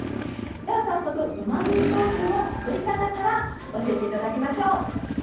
では早速うまみそ酢の作り方から教えていただきましょう。